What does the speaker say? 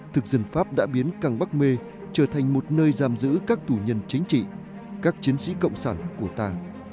thực dân pháp đã biến càng bắc mê trở thành một nơi giam giữ các tù nhân chính trị các chiến sĩ cộng sản của ta